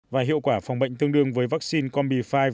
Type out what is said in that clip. và hiệu quả phòng bệnh tương đương với vaccine combi file